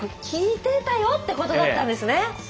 聞いてたよってことだったんですね。